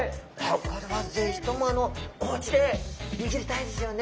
これは是非ともおうちで握りたいですよね。